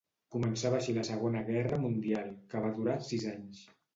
Començava així la Segona Guerra Mundial, que va durar sis anys.